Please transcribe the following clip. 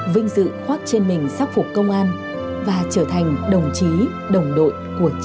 vinh dự khoác trên mình sắc phục công an và trở thành đồng chí đồng đội của cha